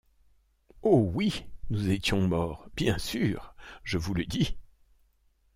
Oh! oui, nous étions morts, bien sûr ; je vous le dis.